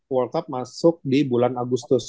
world cup masuk di bulan agustus